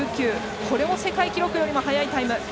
これも世界記録よりも速いタイム。